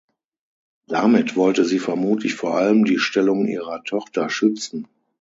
Damit wollte sie vermutlich vor allem die Stellung ihrer Tochter schützen.